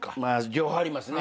両方ありますね。